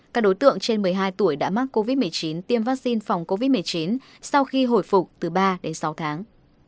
các đối tượng trên một mươi hai tuổi đã mắc covid một mươi chín tiêm vaccine phòng covid một mươi chín sau khi hồi phục từ ba đến sáu tháng